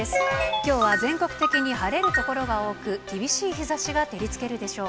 きょうは全国的に晴れる所が多く、厳しい日ざしが照りつけるでしょう。